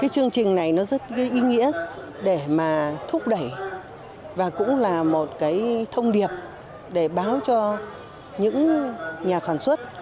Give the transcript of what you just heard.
chương trình này rất ý nghĩa để thúc đẩy và cũng là một thông điệp để báo cho những nhà sản xuất